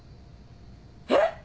えっ！